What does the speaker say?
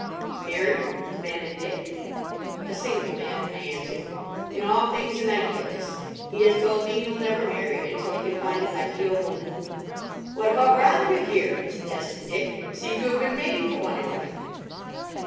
"Married?" demanded Dick. "A single man," I answered. "In all things an idealist. He has told me he will never marry until he can find his ideal woman." "What about Robina here!" suggested Dick. "Seem to have been made for one another."